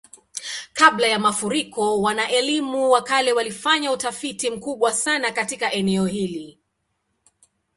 Kabla ya mafuriko, wana-elimu wa kale walifanya utafiti mkubwa sana katika eneo hili.